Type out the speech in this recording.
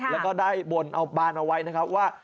แล้วก็ได้บ่นเอาบานเอาไว้นะครับว่า